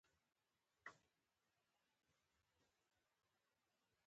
امریکا او نړۍ دشوروي اشغال پر وړاندې